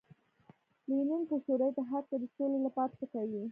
لینین په شوروي اتحاد کې د سولې لپاره څه کوي.